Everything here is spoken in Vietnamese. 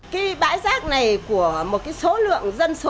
cái bãi rác này của một cái số lượng dân số